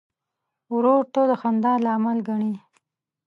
ورور ته د خندا لامل ګڼې.